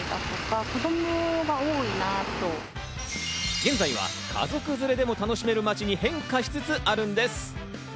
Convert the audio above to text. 現在は家族連れでも楽しめる街に変化しつつあるんです。